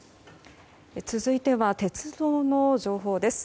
続いては、鉄道の情報です。